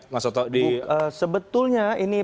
mas alto di sebetulnya ini